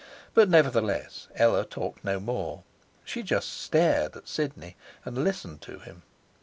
But nevertheless Ella talked no more. She just stared at Sidney, and listened to him.